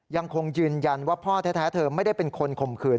ยังคงยืนยันว่าพ่อแท้เธอไม่ได้เป็นคนข่มขืน